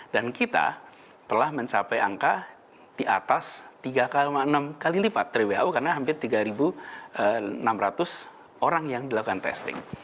dan kita telah mencapai angka di atas tiga enam kali lipat dari who karena hampir tiga enam ratus orang yang dilakukan testing